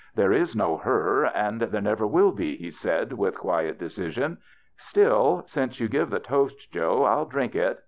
*' There is no her and there never will be," he said, with quiet de cision. " Still, since you give the toast, Joe, I'll drink it.